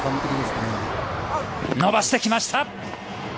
伸ばしてきました。